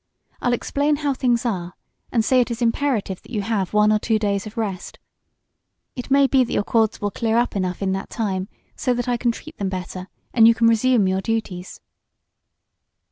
I'll explain how things are, and say it is imperative that you have one or two days of rest. It may be that your chords will clear up enough in that time so that I can treat them better and you can resume your duties."